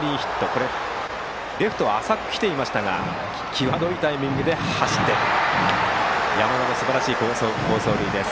これはレフトは浅く来ていましたが際どいタイミングで走って山田のすばらしい好走塁です。